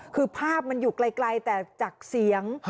คือภาพมันอยู่ไกลแต่จากเสียง